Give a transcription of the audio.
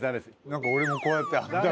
なんか俺もこうやって。